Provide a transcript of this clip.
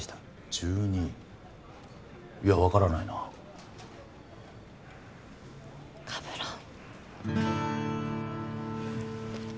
１２？いや分からないなカブロン